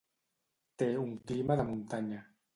Té un clima de muntanya.